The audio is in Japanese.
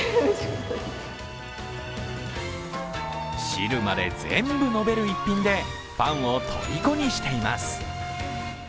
汁まで全部飲める逸品で、ファンをとりこにしています。